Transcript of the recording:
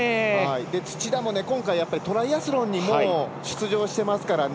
土田も、今回トライアスロンにも出場してますからね。